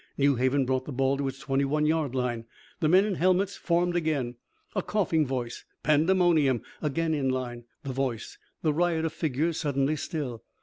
New Haven brought the ball to its twenty one yard line. The men in helmets formed again. A coughing voice. Pandemonium. Again in line. The voice. The riot of figures suddenly still.